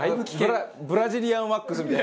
ブラジリアンワックスみたいな。